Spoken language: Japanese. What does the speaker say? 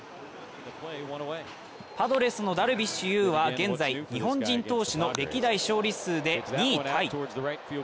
パドレスのダルビッシュ有は、現在、日本人投手の歴代勝利数で２位タイ。